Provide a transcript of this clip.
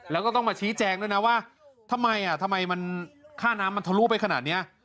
แล้วก็ต้องมาชี้แจงด้วยนะว่าทำไมทำไมมันค่าน้ำมันทะลุไปขนาดนี้